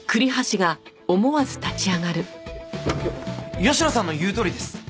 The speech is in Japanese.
よ吉野さんの言うとおりです。